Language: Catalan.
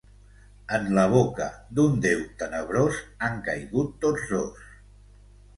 En la boca d'un déu tenebrós han caigut tots dos.